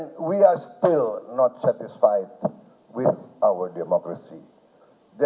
dan kita masih belum puas dengan demokrasi kita